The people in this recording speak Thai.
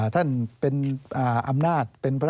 ท่านเป็นอำนาจ